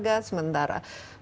tidak ada sementara